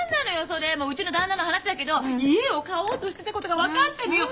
うちの旦那の話だけど家を買おうとしてたことが分かったのよ。